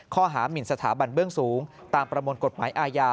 หมินสถาบันเบื้องสูงตามประมวลกฎหมายอาญา